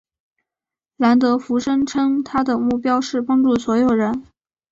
兰德福声称他的目标是帮助所有人。